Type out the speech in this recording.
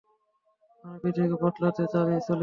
আমরা পৃথিবীকে বদলাতে চলেছিলাম।